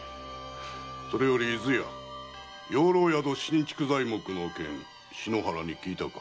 それより養老宿新築材木の件篠原に聞いたか？